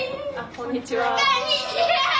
こんにちは！